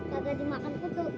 gak dimakan kutu